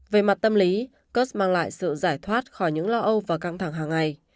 về mặt tâm lý kursk mang lại sự giải thoát khỏi những lo âu và căng thẳng hàng ngày